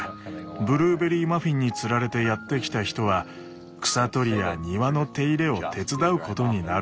ブルーベリーマフィンにつられてやって来た人は草取りや庭の手入れを手伝うことになるんです。